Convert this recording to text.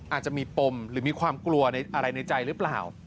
อาจจะมีปมหรือมีความกลัวในอะไรในใจหรือเปล่า